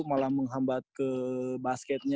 malah menghambat ke basketnya